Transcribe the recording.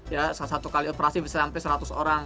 ya satu kali operasi bisa sampai seratus orang